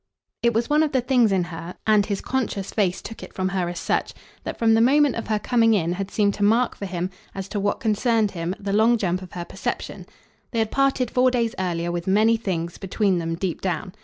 It was one of the things in her and his conscious face took it from her as such that from the moment of her coming in had seemed to mark for him, as to what concerned him, the long jump of her perception. They had parted four days earlier with many things, between them, deep down.